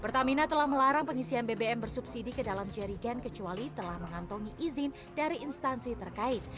pertamina telah melarang pengisian bbm bersubsidi ke dalam jerigen kecuali telah mengantongi izin dari instansi terkait